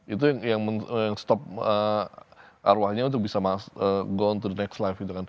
itu yang menutup arwahnya untuk bisa go on to the next life